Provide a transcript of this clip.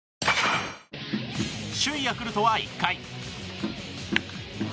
首位ヤクルトは１回。